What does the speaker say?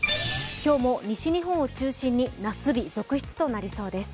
今日も西日本を中心に夏日続出となりそうです。